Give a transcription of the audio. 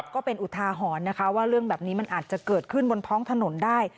ก็เป็นอุทาหรณ์นะคะว่าเรื่องแบบนี้มันอาจจะเกิดขึ้นบนท้องถนนได้